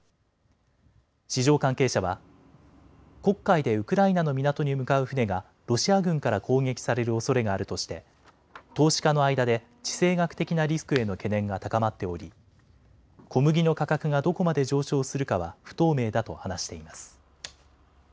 市場関係者は黒海でウクライナの港に向かう船がロシア軍から攻撃されるおそれがあるとして投資家の間で地政学的なリスクへの懸念が高まっており小麦の価格がどこまで上昇するかは不透明だと話しています。